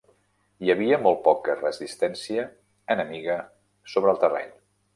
Hi havia molt poca resistència enemiga sobre el terreny.